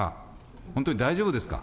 本当に大丈夫ですか？